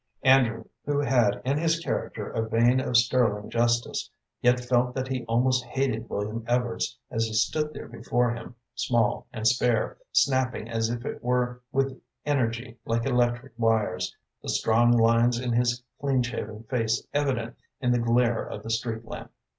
Andrew, who had in his character a vein of sterling justice, yet felt that he almost hated William Evarts as he stood there before him, small and spare, snapping as it were with energy like electric wires, the strong lines in his clean shaven face evident in the glare of the street lamp.